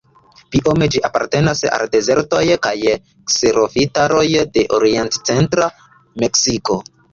Biome ĝi apartenas al dezertoj kaj kserofitaroj de orient-centra Meksiko.